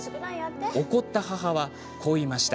怒った母は、こう言いました。